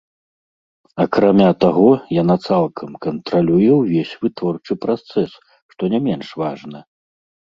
Акрамя таго, яна цалкам кантралюе ўвесь вытворчы працэс, што не менш важна.